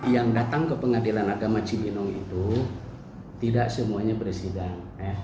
yang datang ke pengadilan agama cibinong itu tidak semuanya bersidang